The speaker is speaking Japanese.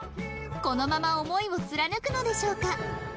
このまま思いを貫くのでしょうか？